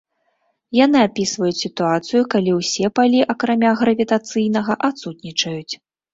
Яны апісваюць сітуацыю, калі ўсе палі, акрамя гравітацыйнага, адсутнічаюць.